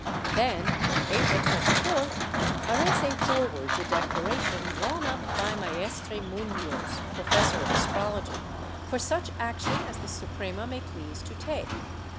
Then, on April 24th, Arrese forwards a declaration drawn up by Maestre Muhoz, professor of astrology, for such action as the Suprema may please to take.